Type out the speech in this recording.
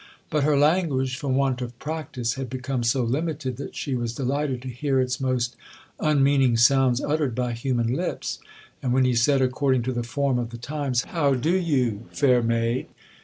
But her language, from want of practice, had become so limited, that she was delighted to hear its most unmeaning sounds uttered by human lips; and when he said, according to the form of the times, 'How do you, fair maid?'